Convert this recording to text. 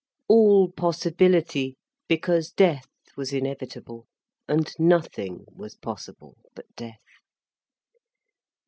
All possibility—because death was inevitable, and nothing was possible but death.